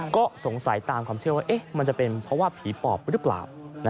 ก็สงสัยตามความเชื่อว่ามันจะเป็นเพราะว่าผีปอบหรือเปล่า